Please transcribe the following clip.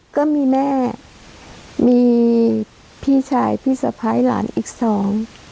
ก็มีแม่มีพี่ชายพี่สะพ้ายหลานอีกสอง